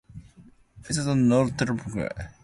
It has a notable church.